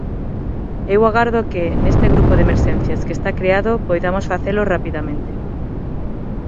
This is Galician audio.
E eu agardo que, neste grupo de emerxencias que está creado, poidamos facelo rapidamente.